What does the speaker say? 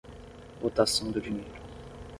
rotação do dinheiro